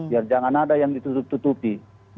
biar jangan ada yang ditutupi